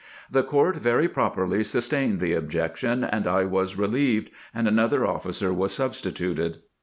The court very properly sustained the ob jection, and I was relieved, and another officer was sub stituted.